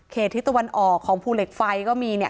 ทิศตะวันออกของภูเหล็กไฟก็มีเนี่ย